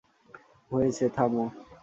হয়েছে, থামো।